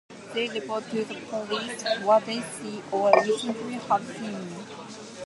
They report to the police what they see or recently have seen.